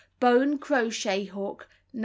Bone crochet hook, No.